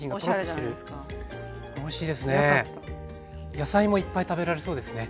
野菜もいっぱい食べられそうですね。